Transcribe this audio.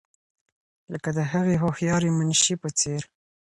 لکه د هغې هوښیارې منشي په څېر.